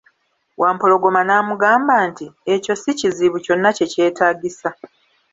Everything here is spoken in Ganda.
Wampologoma n'amugamba nti, ekyo sikizibu, kyonna kye kyetagisa.